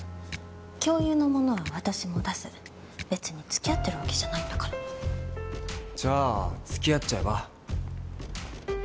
共有のものは私も出す別につきあってるわけじゃないんだからじゃあつきあっちゃえば？